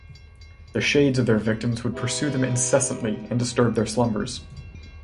The shades of their victims would pursue them incessantly and disturb their slumbers.